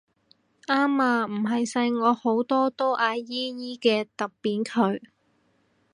啱啊唔係細我好多都嗌姨姨嘅揼扁佢